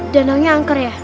danau nya angker ya